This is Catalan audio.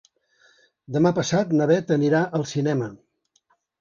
Demà passat na Bet anirà al cinema.